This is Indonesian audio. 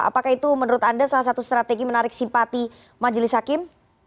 apakah itu menurut anda salah satu strategi menarik simpati majelis hakim